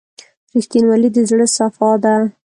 • رښتینولي د زړه صفا ده.